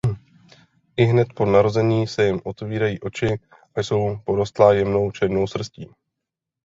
Ihned po narození se jim otvírají oči a jsou porostlá jemnou černou srstí.